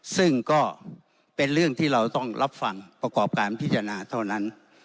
ซึ่งก็เป็นเรื่องที่เราต้องรับฟังประกอบการพิจารณาเท่านั้น